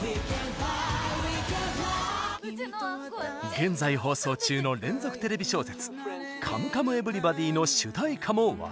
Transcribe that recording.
現在放送中の連続テレビ小説「カムカムエヴリバディ」の主題歌も話題に。